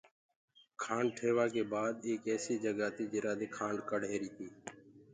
کآنڊ ٺيوآ ڪي بآد ايڪ ايسي جگآ تي جرآ مي کآڙ رهيري تي۔